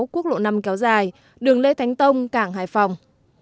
quốc lộ năm kéo dài đường lê thánh tông cảng hải phòng